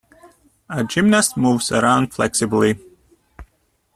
A gymnast moves around flexibly.